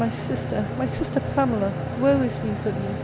my sister, my sister Pamela ! woe is me for thee